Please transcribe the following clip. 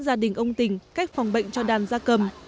gia đình ông tỉnh cách phòng bệnh cho đàn gia cầm